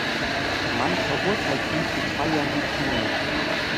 Man verurteilt ihn zu zwei Jahren Gefängnis.